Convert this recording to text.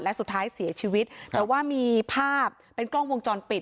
และสุดท้ายเสียชีวิตแต่ว่ามีภาพเป็นกล้องวงจรปิด